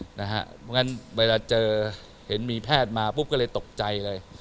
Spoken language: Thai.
เพราะฉะนั้นเวลาเจอเห็นมีแพทย์มาปุ๊บก็เลยตกใจเลย